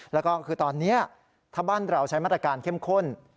แล้วก็คือตอนนี้ถ้าบ้านเราใช้มาตรการเข้มข้น